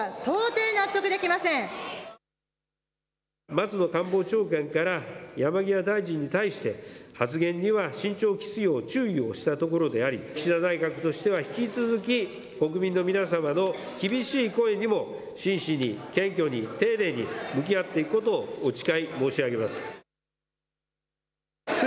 松野官房長官から山際大臣に対して発言には慎重を期すよう注意をしたところであり岸田内閣としては引き続き国民の皆様の厳しい声にも真摯に謙虚に丁寧に向き合っていくことを誓い申し上げます。